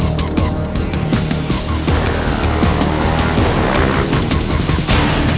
udah gak usah